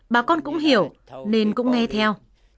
bà con cũng hiểu nên cũng nghe theo